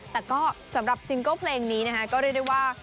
แต่ก็สำหรับซิงเกิลเพลงนี้นะคะก็เรียกได้ว่า